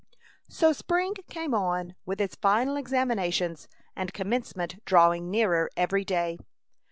So spring came on, with its final examinations, and Commencement drawing nearer every day.